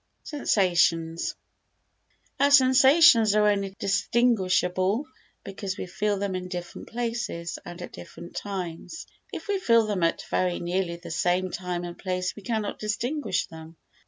Sensations Our sensations are only distinguishable because we feel them in different places and at different times. If we feel them at very nearly the same time and place we cannot distinguish them.